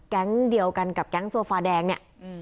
แก๊งเดียวกันกับแก๊งโซฟาแดงเนี่ย